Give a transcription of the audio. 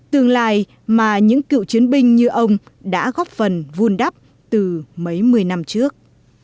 tương lai mà những cựu chiến binh như ông đã góp phần vun đắp từ mấy mươi năm trước